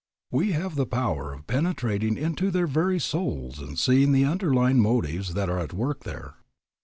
We have the power of penetrating into their very souls and seeing the underlying motives that are at work there.